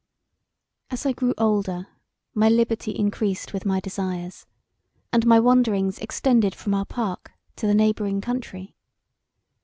As I grew older my liberty encreased with my desires, and my wanderings extended from our park to the neighbouring country.